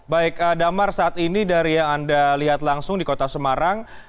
baik damar saat ini dari yang anda lihat langsung di kota semarang